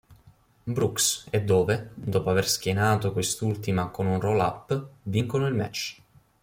Brooks e dove, dopo aver schienato quest'ultima con un roll-up, vincono il match.